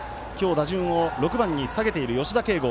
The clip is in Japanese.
打順を６番に下げている吉田慶剛。